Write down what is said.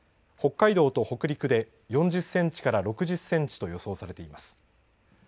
北海道と北陸で４０センチから６０センチと予想されています。